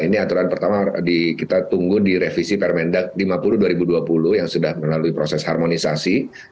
ini aturan pertama kita tunggu di revisi permendak lima puluh dua ribu dua puluh yang sudah melalui proses harmonisasi